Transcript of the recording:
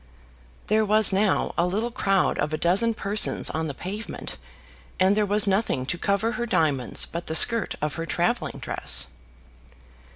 There was now a little crowd of a dozen persons on the pavement, and there was nothing to cover her diamonds but the skirt of her travelling dress.